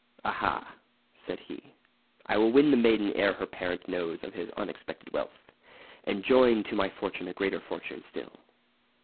"Aha!" said he, "I will win the maiden ere her parent knows of his unsuspected wealth, and join to my fortune a greater fortune still!"